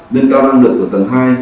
nâng cao năng lực của tầng hai